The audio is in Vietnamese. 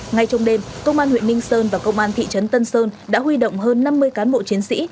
ngay trong đêm công an huyện ninh sơn và công an thị trấn tân sơn đã huy động hơn năm mươi cán bộ chiến sĩ